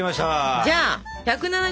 じゃあ１７０